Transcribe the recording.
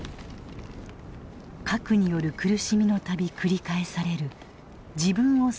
核による苦しみの度繰り返される「自分を最後に」という願い。